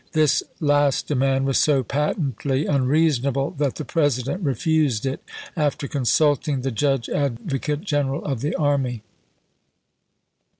This last demand was so patently unreasonable that the President refused it, after consulting the Judge Advocate General of the army.